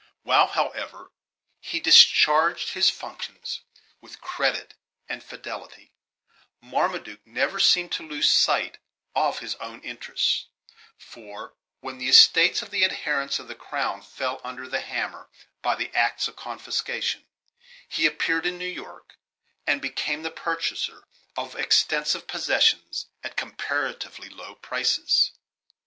While, however, he discharged his functions with credit and fidelity, Marmaduke never seemed to lose sight of his own interests; for, when the estates of the adherents of the crown fell under the hammer, by the acts of confiscation, he appeared in New York, and became the purchaser of extensive possessions at comparatively low prices.